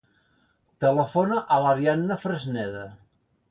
Telefona a l'Arianna Fresneda.